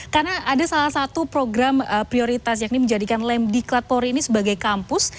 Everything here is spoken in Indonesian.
karena ada salah satu program prioritas yang ini menjadikan lem di klat polri ini sebagai kampus